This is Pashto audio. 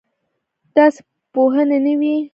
داسې پوهنې نه وې.